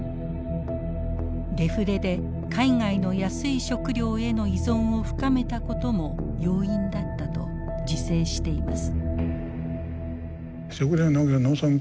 デフレで海外の安い食料への依存を深めたことも要因だったと自省しています。